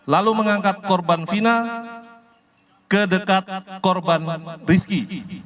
lalu mengangkat korban fina ke dekat korban rizki